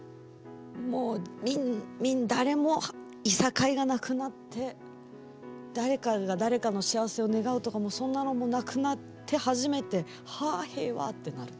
もう誰もいさかいがなくなって誰かが誰かの幸せを願うとかもそんなのもなくなって初めてはあ平和ってなる。